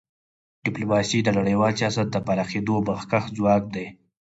ډیپلوماسي د نړیوال سیاست د پراخېدو مخکښ ځواک دی.